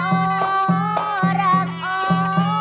กลับไปก่อนที่สุดท้าย